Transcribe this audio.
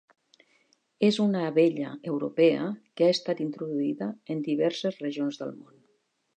És una abella europea que ha estat introduïda en diverses regions del món.